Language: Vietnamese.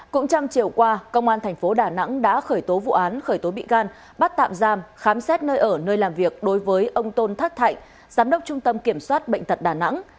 cũng trong chiều qua công an thành phố đà nẵng đã khởi tố vụ án khởi tố bị can bắt tạm giam khám xét nơi ở nơi làm việc đối với ông tôn thất thạnh giám đốc trung tâm kiểm soát bệnh tật đà nẵng